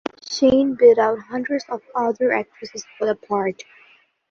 Shane beat out hundreds of other actresses for the part.